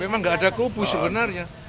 memang nggak ada kubu sebenarnya